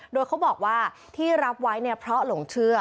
โดยเขาบอกว่าที่รับไว้เนี่ยเพราะหลงเชื่อ